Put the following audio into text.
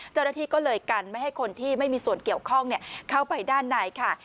เจ้าหน้าที่ก็เลยกันไม่ให้คนที่ไม่มีส่วนเกี่ยวข้องเข้าไปด้านในค่ะ